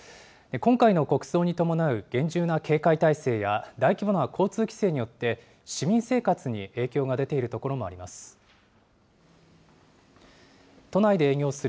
今回の国葬に伴う厳重な警戒態勢や大規模な交通規制によって、市民生活に影響が出ているところがあります。